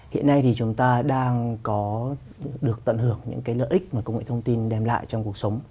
hiện nay thì chúng ta đang có được tận hưởng những cái lợi ích mà công nghệ thông tin đem lại trong cuộc sống